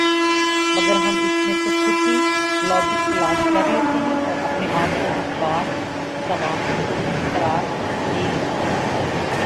مگر ہم اس میں سے خود ہی لاجک تلاش کرلیتےہیں اور اپنے آپ کو حقدار ثواب قرار دے لیتےہیں